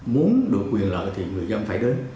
muốn được quyền lợi thì người dân phải đến